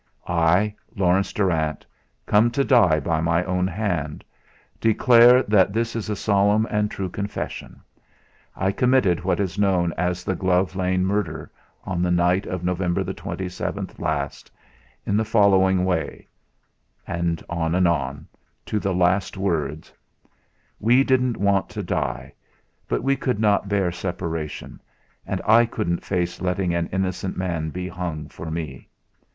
"I, Laurence Darrant, about to die by my own hand, declare that this is a solemn and true confession. I committed what is known as the Glove Lane Murder on the night of November the 27th last in the following way" on and on to the last words "We didn't want to die; but we could not bear separation, and I couldn't face letting an innocent man be hung for me.